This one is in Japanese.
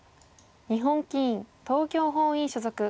日本棋院東京本院所属。